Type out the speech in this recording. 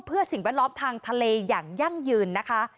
เพื่อสิ่งแวดล้อมทางทะเลอย่างยั่งยืนนะคะ